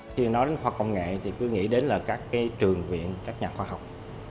khi nói đến khoa công nghệ thì cứ nghĩ đến là các trường viện các nhà khoa học